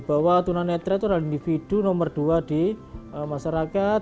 bahwa tunanetra itu adalah individu nomor dua di masyarakat